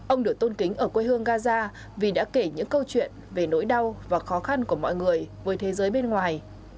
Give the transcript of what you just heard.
ông được tôn kính ở quê hương gaza vì đã kể những câu chuyện về nỗi đau và khó khăn của mọi người với thế giới bên ngoài